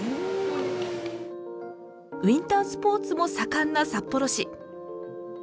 ウインタースポーツも盛んな札幌市。